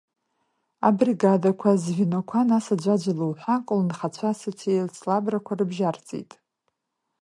Абригадақәа, азвеноқәа, нас аӡәаӡәала уҳәа, аколнхацәа асоцеицлабрақәа рыбжьарҵеит.